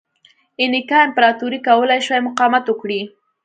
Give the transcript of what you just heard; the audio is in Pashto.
اینکا امپراتورۍ کولای شوای مقاومت وکړي.